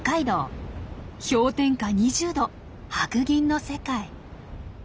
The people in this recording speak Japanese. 氷点下２０℃白銀の世界。